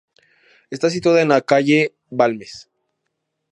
Está situada en la calle Balmes.